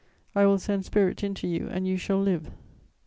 I will send spirit into you, and you shall live.'